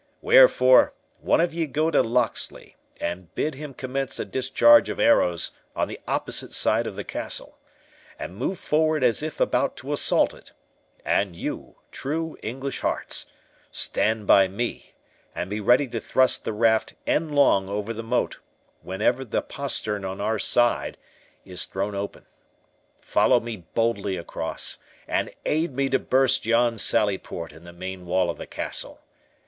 Wherefore, one of ye go to Locksley, and bid him commence a discharge of arrows on the opposite side of the castle, and move forward as if about to assault it; and you, true English hearts, stand by me, and be ready to thrust the raft endlong over the moat whenever the postern on our side is thrown open. Follow me boldly across, and aid me to burst yon sallyport in the main wall of the castle.